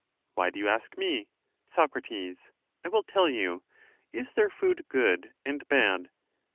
Why do you ask me? Soc. I will tell you. Is there food good, and bad?